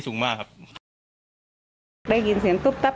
เสื้อสีขาว